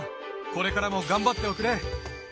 これからも頑張っておくれ。